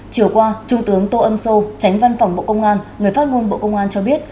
chiều qua trung tướng tô ân sô tránh văn phòng bộ công an người phát ngôn bộ công an cho biết